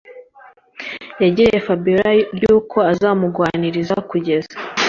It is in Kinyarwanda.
yagiriye fabiora ryuko azamugwanirira kugeza